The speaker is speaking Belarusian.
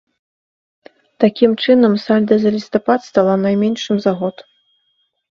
Такім чынам, сальда за лістапад стала найменшым за год.